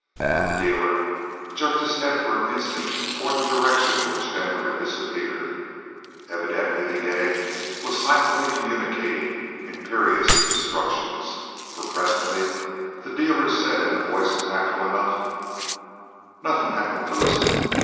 But the dealer jerked his head for an instant toward the direction in which Denver had disappeared. Evidently the yegg was silently communicating imperious instructions, for presently the dealer said, in a voice natural enough: "Nothing happened, Lewison.